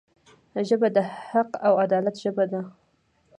ژبه د حق او عدالت ژبه ده